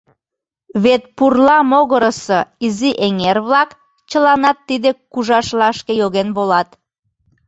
Вет пурла могырысо изи эҥер-влак чыланат тиде кужашлашке йоген волат.